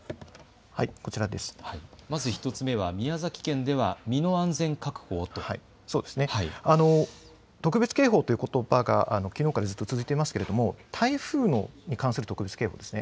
まず１つ目は宮崎県では身の安全確保をと、特別警報ということばがきのうからずっと続いていますけれども台風に関する特別警報です。